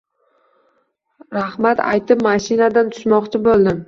Rahmat aytib mashinadan tushmoqchi bo`ldim